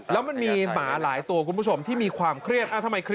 แล้วมันมีหมาหลายตัวที่มีความเครียด